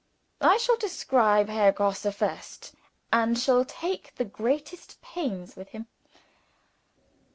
I shall describe Herr Grosse first, and shall take the greatest pains with him.